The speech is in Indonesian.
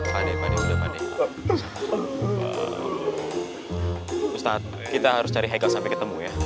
pade pade ustadz ustadz kita harus cari haikal sampai ketemu ya